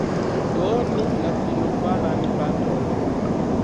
Doni la finofaran baton.